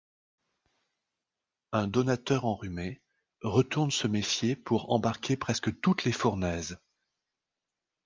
Un donateur enrhumé retourne se méfier pour embarquer presque toutes les fournaises.